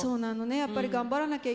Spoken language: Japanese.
やっぱり頑張らなきゃいけない。